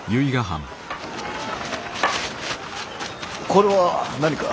これは何か。